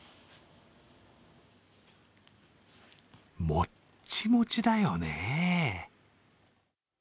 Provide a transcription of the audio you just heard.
もっちもちだよね。